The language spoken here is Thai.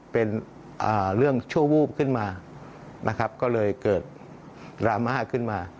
เป็นเรื่องชั่ววูบขึ้นมานะครับก็เลยเกิดดราม่าขึ้นมา